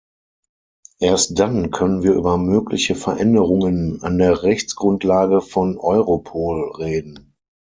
Erst dann können wir über mögliche Veränderungen an der Rechtsgrundlage von Europol reden.